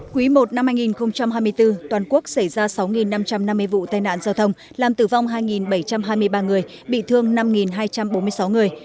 quý i năm hai nghìn hai mươi bốn toàn quốc xảy ra sáu năm trăm năm mươi vụ tai nạn giao thông làm tử vong hai bảy trăm hai mươi ba người bị thương năm hai trăm bốn mươi sáu người